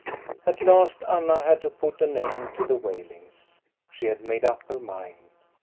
At last Anna had to put an end to the wailings. She had made up her mind.